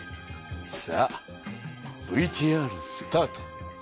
さあＶＴＲスタート。